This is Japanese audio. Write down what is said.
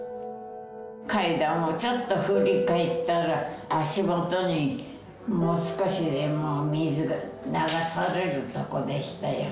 階段をちょっと振り返ったら、足元に、もう少しで水が、流されるところでしたよ。